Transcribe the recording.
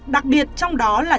đặc biệt trong đó là